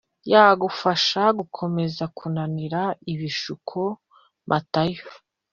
yagufasha gukomeza kunanira ibishuko Matayo